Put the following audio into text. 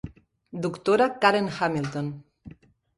Doctora Karen Hamilton.